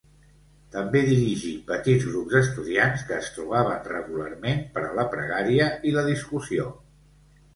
També dirigí petits grups d'estudiants que es trobaven regularment per la pregària i la discussió.